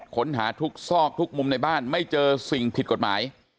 ค้นหาทุกซอกทุกมุมในบ้านไม่เจอสิ่งผิดกฎหมาย